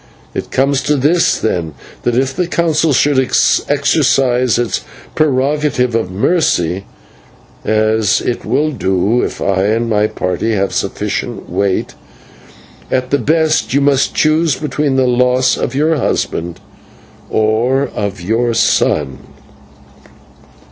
It comes to this, then, that if the Council should exercise its prerogative of mercy as it will do if I and my party have sufficient weight at the best you must choose between the loss of your husband or of your son."